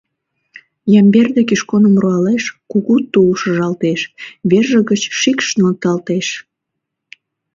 Ямберде Кишконым руалеш, кугу тул шыжалтеш, верже гыч шикш нӧлталтеш.